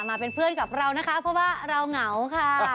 มาเป็นเพื่อนกับเรานะคะเพราะว่าเราเหงาค่ะ